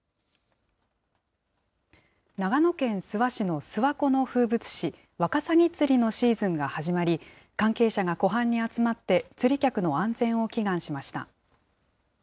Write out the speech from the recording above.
長野県諏訪市の諏訪湖の風物詩、ワカサギ釣りのシーズンが始まり、関係者が湖畔に集まって釣り客の安全を祈願しました。